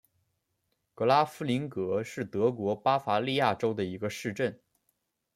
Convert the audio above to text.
格拉夫林格是德国巴伐利亚州的一个市镇。